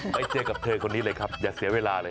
ไปเจอกับเธอคนนี้เลยครับอย่าเสียเวลาเลย